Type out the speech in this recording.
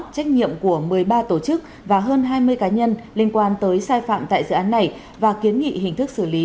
trách nhiệm của một mươi ba tổ chức và hơn hai mươi cá nhân liên quan tới sai phạm tại dự án này và kiến nghị hình thức xử lý